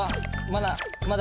まだ？